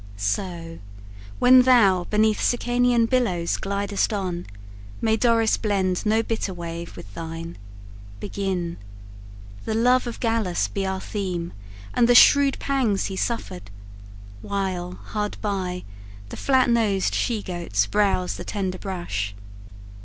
So, when thou Beneath Sicanian billows glidest on, May Doris blend no bitter wave with thine, Begin! The love of Gallus be our theme, And the shrewd pangs he suffered, while, hard by, The flat nosed she goats browse the tender brush.